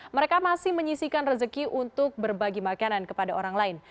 mereka masih menyisikan rezeki untuk berbagi makanan kepada orang lain